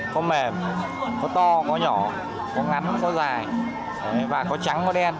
có mềm có to có nhỏ có ngắn có dài và có trắng có đen